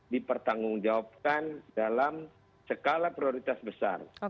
dipertanggungjawabkan dalam skala prioritas besar